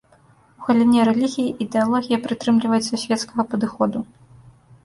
У галіне рэлігіі ідэалогія прытрымліваецца свецкага падыходу.